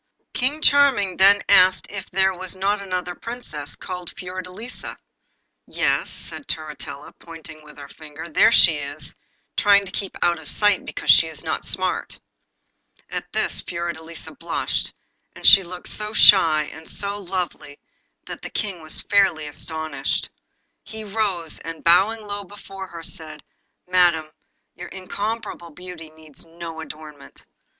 King Charming then asked it there was not another Princess, called Fiordelisa. 'Yes,' said Turritella, pointing with her finger, 'there she is, trying to keep out of sight because she is not smart.' At this Fiordelisa blushed, and looked so shy and so lovely, that the King was fairly astonished. He rose, and bowing low before her, said 'Madam, your incomparable beauty needs no adornment.